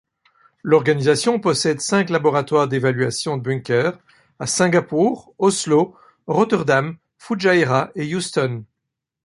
L’organisation possède cinq laboratoires d’évaluation de bunkers à Singapour, Oslo, Rotterdam, Fujaïrah et Houston.